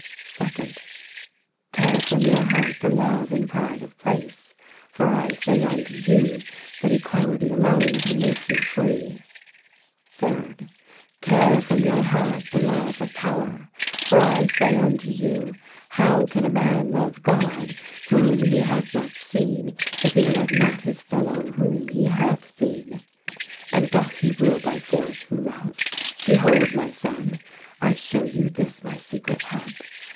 "Second : Tear from your heart the love and pride of place ; for I say unto you that Equality alone can make you free. "Third : Tear from your heart the love of power ; for I say unto you, 'How can a man love God whom he hath not seen, if he love not his fellow whom he hath seen?' And doth he rule by force who loves? "Behold, my son, I show you this my secret heart.